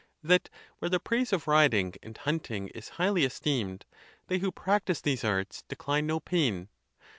that where the praise of riding and hunting is highly esteemed, they who practice these arts decline no pain?